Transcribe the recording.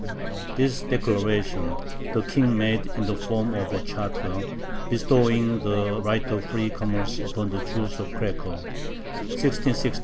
This declaration the King made in the form of a charter bestowing the right of free commerce upon the Jews of Cracow (1661).